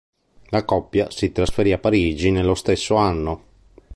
La coppia si trasferì a Parigi nello stesso anno.